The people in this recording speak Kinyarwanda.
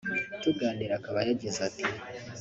tuganira akaba yagize ati